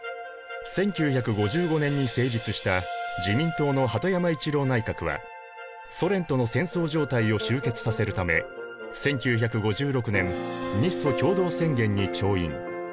１９５５年に成立した自民党の鳩山一郎内閣はソ連との戦争状態を終結させるため１９５６年日ソ共同宣言に調印。